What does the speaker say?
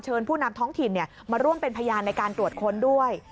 ผู้นำท้องถิ่นมาร่วมเป็นพยานในการตรวจค้นด้วย